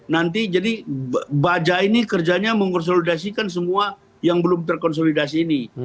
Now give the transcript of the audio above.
nanti jadi baja ini kerjanya mengkonsolidasikan semua yang belum terkonsolidasi ini